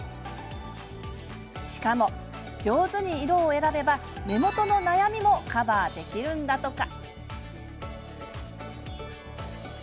しかも、上手に色を選べば目元の悩みもカバーできるんだとか。